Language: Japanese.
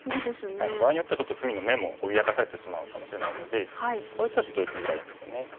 場合によってはちょっと隅の眼も脅かされてしまうかもしれないのでこういう手はちょっと打ちづらいんですよね。